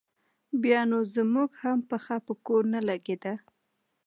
بیا نو زموږ هم پښه په کور نه لګېده.